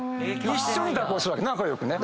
一緒に蛇行するわけ仲良くね。